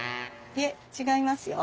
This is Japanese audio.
いえ違いますよ。